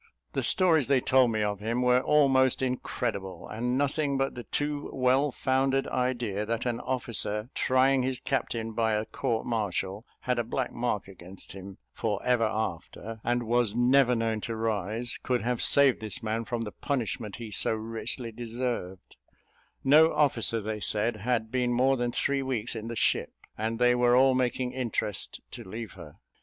The stories they told me of him were almost incredible, and nothing but the too well founded idea, that an officer trying his captain by a court martial, had a black mark against him for ever after, and was never known to rise, could have saved this man from the punishment he so richly deserved: no officer, they said, had been more than three weeks in the ship, and they were all making interest to leave her.